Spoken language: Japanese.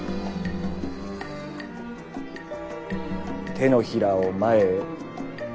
手のひらを前へ。